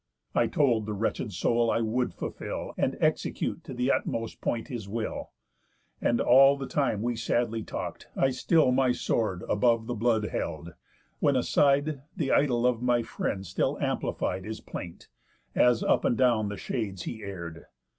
I told the wretched soul I would fulfill And execute to th' utmost point his will; And, all the time we sadly talk'd, I still My sword above the blood held, when aside The idol of my friend still amplified His plaint, as up and down the shades he err'd.